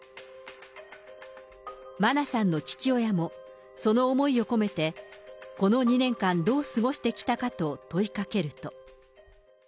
真菜さんの父親も、その思いを込めて、この２年間どう過ごしてきたかと問いかけると。